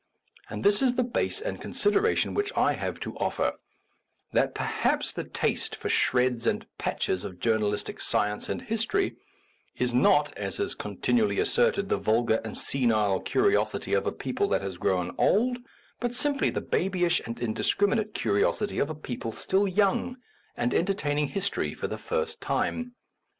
And this is the base and consideration which I have to offer : that perhaps the taste for shreds and patches of journalistic science and history is not, as is continually asserted, the vulgar and senile curiosity of a people that has grown old, but simply the babyish and indiscriminate curiosity of a people still young and entering history for the first time.